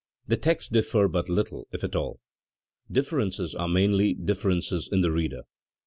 The texts differ but little, if at all; differences are mainly differences in the reader.